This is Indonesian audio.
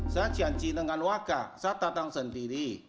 saya janji dengan wakar saya datang sendiri